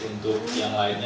untuk yang lainnya